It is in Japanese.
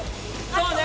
そうね。